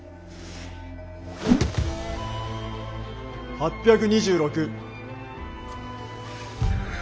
８２６。